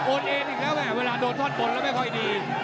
โอนเอนอีกแล้วแม่เวลาโดนพล็อตบนแล้วไม่ค่อยดี